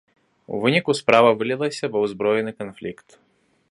У выніку справа вылілася ва ўзброены канфлікт.